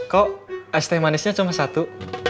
kok ice teh manisnya cuma satu